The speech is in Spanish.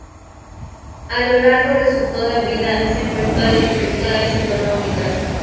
A lo largo de su toda vida se enfrentó a dificultades económicas.